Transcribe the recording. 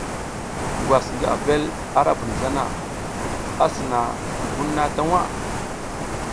Ngwas ngi abel ara bun zana, a sina na bun na ta waʼa.